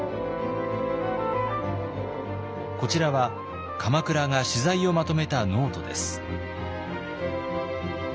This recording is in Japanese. こちらは鎌倉が取材をまとめたノートです。